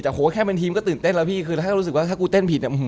แต่โหแค่เป็นทีมก็ตื่นเต้นแล้วพี่คือถ้ารู้สึกว่าถ้ากูเต้นผิดเนี่ย